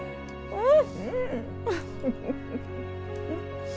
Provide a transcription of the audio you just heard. うん。